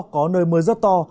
có nơi mưa rất to